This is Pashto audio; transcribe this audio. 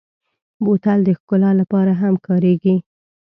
بوتل د ښکلا لپاره هم کارېږي.